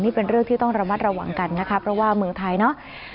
นี่เป็นเรื่องที่ต้องระมัดระวังกันนะคะเพราะว่าเมืองไทยเนอะ